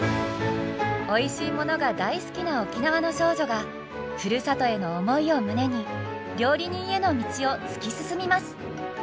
おいしいものが大好きな沖縄の少女がふるさとへの思いを胸に料理人への道を突き進みます！